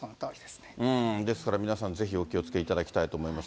ですから、皆さん、ぜひ、お気をつけいただきたいと思います。